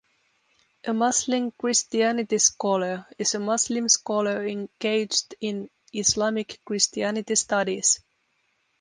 A Muslim Christianity scholar is a Muslim scholar engaged in Islamic Christianity studies.